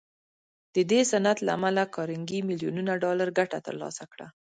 د دې صنعت له امله کارنګي ميليونونه ډالر ګټه تر لاسه کړه.